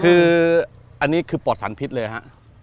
คืออันนี้คือปอดสารพิษเลยฮะ